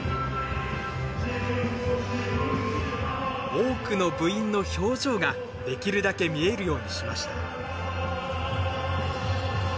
多くの部員の表情ができるだけ見えるようにしました。